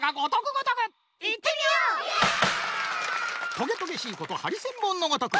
トゲトゲしいことハリセンボンのごとく。